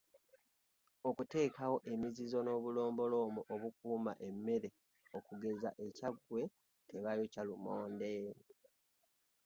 Okuteekawo emizizo n’obulombolombo obukuuma emmere okugeza e Kyaggwe tebayokya lumonde.